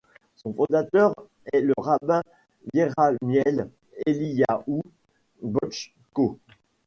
Son fondateur est le rabbin Yerahmiel Eliyahou Botschko.